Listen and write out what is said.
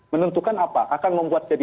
menentukan apa akan membuat